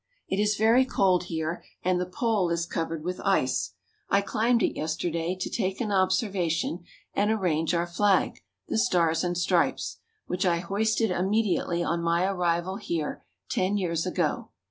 It is very cold here and the pole is covered with ice. I climbed it yesterday to take an observation and arrange our flag, the Stars and Stripes, which I hoisted immediately on my arrival here, ten years ago.